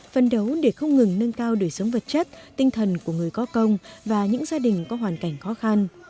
phân đấu để không ngừng nâng cao đời sống vật chất tinh thần của người có công và những gia đình có hoàn cảnh khó khăn